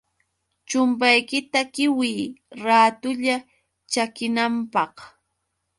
chumpaykita qiwiy raatulla chakinanpaq.